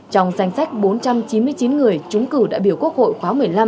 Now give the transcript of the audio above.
trong danh sách bốn trăm chín mươi chín người chúng cử đại biểu quốc hội khóa một mươi năm